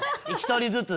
１人ずつ？